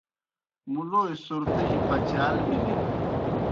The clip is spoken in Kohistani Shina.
مُلوئے صُرتِجیْ پچال بِلِن۔